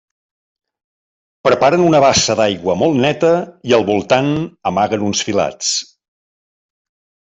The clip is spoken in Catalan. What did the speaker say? Preparen una bassa d'aigua molt neta i al voltant amaguen uns filats.